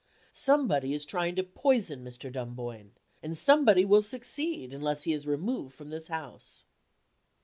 Somebody is trying to poison Mr. Dunboyne; and somebody will succeed unless he is removed from this house."